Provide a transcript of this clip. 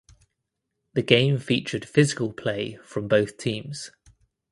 The game featured physical play from both teams.